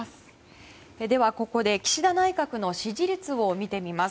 ここで岸田内閣の支持率を見てみます。